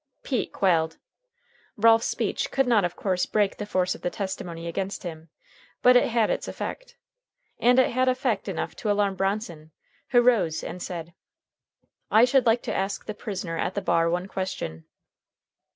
Pete quailed. Ralph's speech could not of course break the force of the testimony against him. But it had its effect, and it had effect enough to alarm Bronson, who rose and said: "I should like to ask the prisoner at the bar one question."